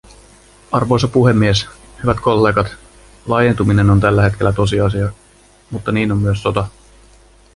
Arvoisa puhemies, hyvät kollegat, laajentuminen on tällä hetkellä tosiasia, mutta niin on myös sota.